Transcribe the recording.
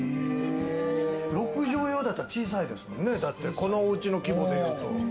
６帖用だと小さいですもんね、このおうちの規模でいうと。